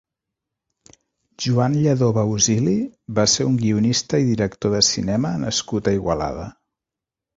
Joan Lladó Bausili va ser un guionista i director de cinema nascut a Igualada.